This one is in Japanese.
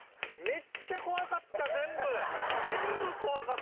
めっちゃ怖かった、全部。